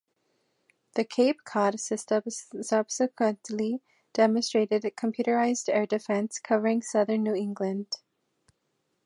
The Cape Cod System subsequently demonstrated computerized air defence covering southern New England.